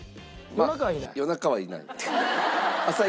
夜中はいない。